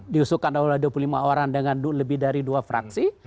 diusulkan oleh dua puluh lima orang dengan lebih dari dua fraksi